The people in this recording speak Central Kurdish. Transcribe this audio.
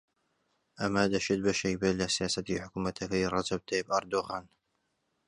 ئەمە دەشێت بەشێک بێت لە سیاسەتی حکوومەتەکەی ڕەجەب تەیب ئەردۆغان